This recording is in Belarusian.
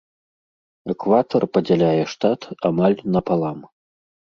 Экватар падзяляе штат амаль напалам.